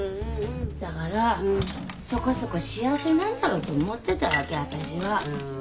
だからそこそこ幸せなんだろうと思ってたわけ私は。